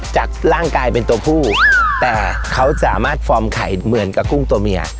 จากร่างกายเป็นตัวผู้แต่เขาสามารถฟอร์มไข่เหมือนกับกุ้งตัวเมีย